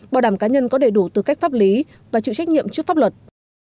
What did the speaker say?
bảo đảm cá nhân có đầy đủ tư cách pháp lý và chịu trách nhiệm trước pháp luật